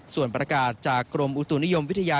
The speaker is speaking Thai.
ส่วนประกาศจากกรมอุตุนิยมวิทยา